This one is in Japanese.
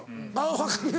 分かるよ。